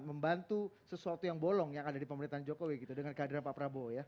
membantu sesuatu yang bolong yang ada di pemerintahan jokowi gitu dengan kehadiran pak prabowo ya